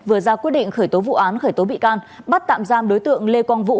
vừa ra quyết định khởi tố vụ án khởi tố bị can bắt tạm giam đối tượng lê quang vũ